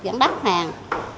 vẫn đắt hàng